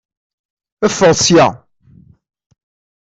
Ffɣet sya!